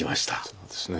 そうですね。